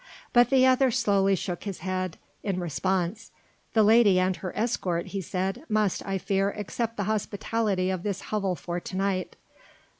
But the other slowly shook his head in response. "The lady and her escort," he said "must, I fear me, accept the hospitality of this hovel for to night."